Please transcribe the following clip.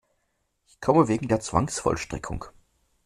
Ich komme wegen der Zwangsvollstreckung.